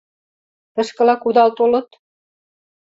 Тышкыла кудал толыт?